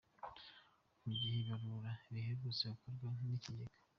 Ni mu gihe ibarura riherutse gukorwa n’Ikigega.